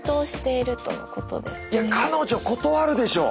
いや彼女断るでしょう。